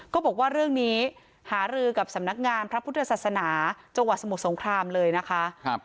ก็บอกว่าเรื่องนี้หารือกับสำนักงานพระพุทธศาสนาจังหวัดสมุทรสงครามเลยนะคะ